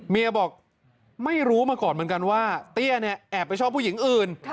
บอกไม่รู้มาก่อนเหมือนกันว่าเตี้ยเนี่ยแอบไปชอบผู้หญิงอื่น